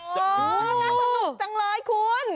โอ้โฮน่าสนุกจังเลยคุณ